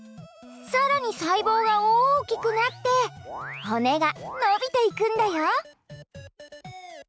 さらに細胞がおおきくなって骨が伸びていくんだよ。